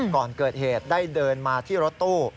ก่อนเกิดเหตุได้เดินมาที่รถตู้